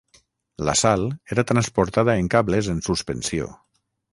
La sal era transportada en cables en suspensió.